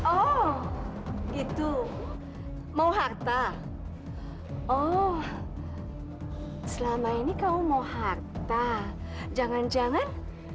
oh itu mau harta oh selama ini kamu mau harta jangan jangan